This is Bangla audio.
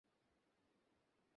জেন্টলম্যান, আমি আসল কথায় আসছি।